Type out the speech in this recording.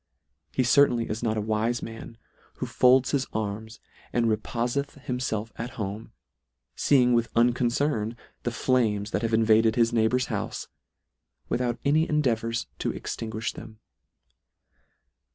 He certainly is not a wife man, who folds his arms and repofeth himself at home, feeing with unconcern the flames that have invaded his neighbour's houfe, without any endea vours to extinguish them.